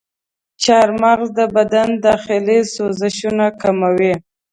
چارمغز د بدن داخلي سوزشونه کموي.